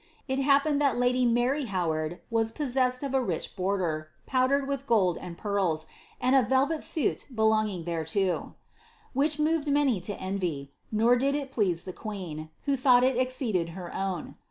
It happened that lady Mary Howard was possessed of a rich border, powdered with gold and pearls, and a velvet suit belonging thereto, which moved many to envy, nor did it please the queen, who thought it exceeded her own.